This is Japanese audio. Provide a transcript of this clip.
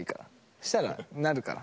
そしたらなるから。